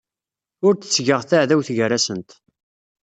Ur d-ttgeɣ taɛdawt gar-asent.